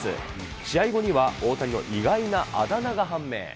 試合後には大谷の意外なあだ名が判明。